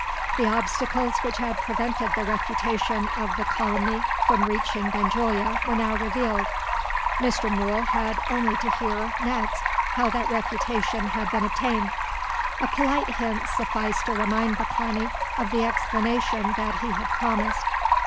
The obstacles which had prevented the refutation of the calumny from reaching Benjulia were now revealed. Mr. Mool had only to hear, next, how that refutation had been obtained. A polite hint sufficed to remind Baccani of the explanation that he had promised.